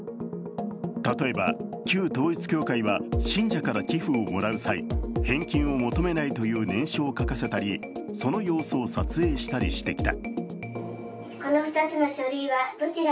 例えば、旧統一教会は信者から寄付をもらう際返金を求めないという念書を書かせたり、その様子を撮影したりしてきた。